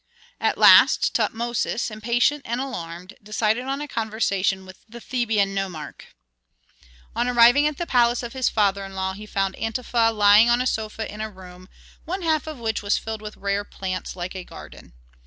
At last Tutmosis, impatient and alarmed, decided on a conversation with the Theban nomarch. On arriving at the palace of his father in law he found Antefa lying on a sofa in a room, one half of which was filled with rare plants like a garden.